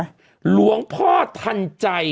หลวงพธันใจ